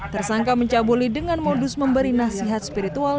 tersangka mencabuli dengan modus memberi nasihat spiritual